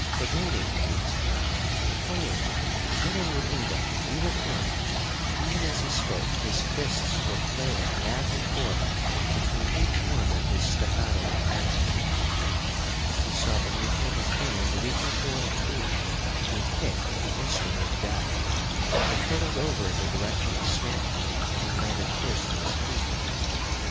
"Fragoni!" he exclaimed. "The plane! Get in with Inga! We will come!" Even as he spoke his fists were flailing back and forth between each one of his staccato commands. He saw beneath him a hand reaching toward a tube, and he kicked the instrument of death. It hurtled over in the direction of Stanton and landed close to his feet.